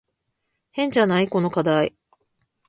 変じゃない？この課題。